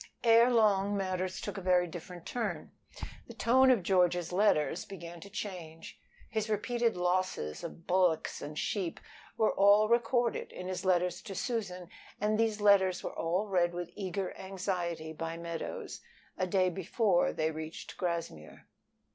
Ere long matters took a very different turn. The tone of George's letters began to change. His repeated losses of bullocks and sheep were all recorded in his letters to Susan, and these letters were all read with eager anxiety by Meadows a day before they reached Grassmere.